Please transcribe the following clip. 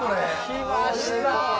・きました！